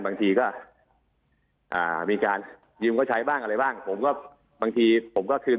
บางทีก็อ่ามีการยืมเขาใช้บ้างอะไรบ้างผมก็บางทีผมก็คืน